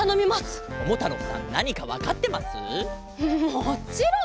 もっちろん！